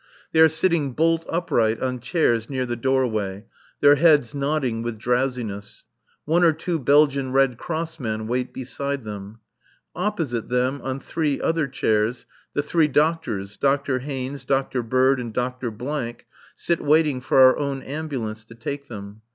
They are sitting bolt upright on chairs near the doorway, their heads nodding with drowsiness. One or two Belgian Red Cross men wait beside them. Opposite them, on three other chairs, the three doctors, Dr. Haynes, Dr. Bird and Dr. sit waiting for our own ambulance to take them.